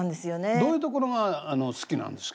どういうところが好きなんですか？